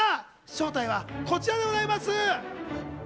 正体は、こちらでございます。